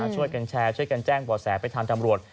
ช่วยกันแชร์ช่วยกันแจ้งบ่อแสไปทางตำรวจ